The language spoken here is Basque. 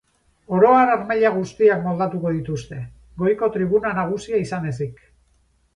Orohar harmaila guztiak moldatuko dituzte, goiko tribuna nagusia izan ezik.